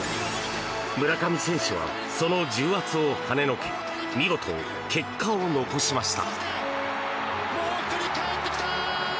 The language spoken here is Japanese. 村上選手はその重圧をはねのけ見事、結果を残しました。